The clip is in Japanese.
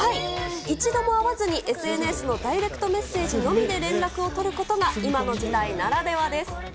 一度も会わずにＳＮＳのダイレクトメッセージのみで連絡を取ることが、今の時代ならではです。